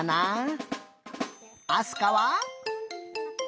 あすかは？